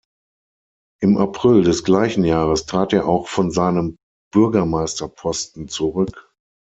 Im April des gleichen Jahres trat er auch von seinem Bürgermeister-Posten zurück.